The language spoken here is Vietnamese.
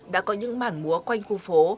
đã có những bản múa quanh khu phố